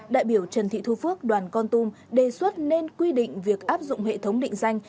đại biểu trần thị thu phước đoàn con tum đề xuất nên quy định việc áp dụng hệ thống định danh